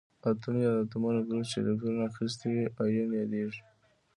اتوم یا د اتومونو ګروپ چې الکترون اخیستی وي ایون یادیږي.